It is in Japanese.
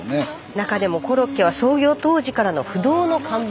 中でもコロッケは創業当時からの不動の看板メニューです。